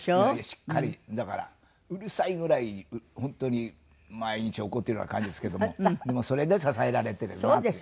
しっかりだからうるさいぐらい本当に毎日怒ってるような感じですけどもそれで支えられてるなっていう。